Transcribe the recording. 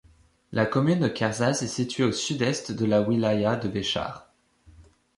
La commune de Kerzaz est située au sud-est de la wilaya de Béchar.